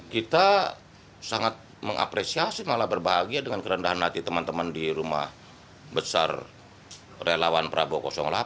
kita sangat mengapresiasi malah berbahagia dengan kerendahan hati teman teman di rumah besar relawan prabowo delapan